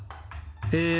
え